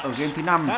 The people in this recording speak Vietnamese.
ở game thứ năm